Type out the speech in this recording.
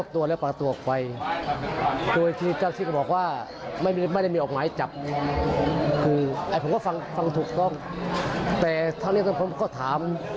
แต่ท่านเรียนท่านพ่อผมก็ถาม